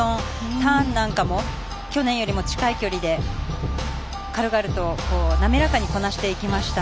ターンなんかも去年よりも近い距離で軽々と滑らかにこなしていきました。